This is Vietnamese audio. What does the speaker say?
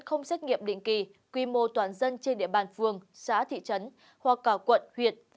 không xét nghiệm định kỳ quy mô toàn dân trên địa bàn phường xã thị trấn hoặc cả quận huyện